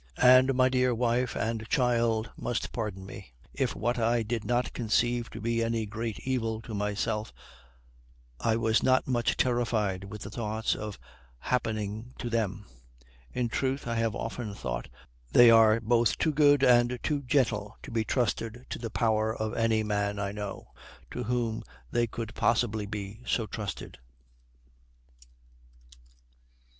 And my dear wife and child must pardon me, if what I did not conceive to be any great evil to myself I was not much terrified with the thoughts of happening to them; in truth, I have often thought they are both too good and too gentle to be trusted to the power of any man I know, to whom they could possibly be so trusted.